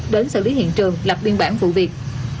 đến xử lý hiện trường lập biên bản vụ việc